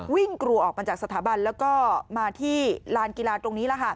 กลัวออกมาจากสถาบันแล้วก็มาที่ลานกีฬาตรงนี้